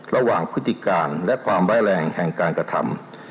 ระหว่างพฤติการและความแว่แรงแห่งการกระทำ